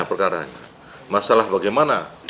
perkaranya masalah bagaimana